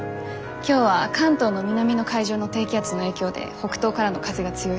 今日は関東の南の海上の低気圧の影響で北東からの風が強いです。